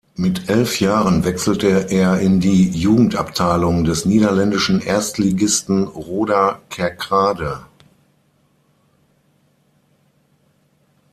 Mit elf Jahren wechselte er in die Jugendabteilung des niederländischen Erstligisten Roda Kerkrade.